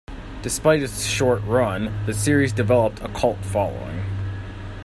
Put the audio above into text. Despite its short run, the series developed a cult following.